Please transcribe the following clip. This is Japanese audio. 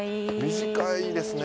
短いですね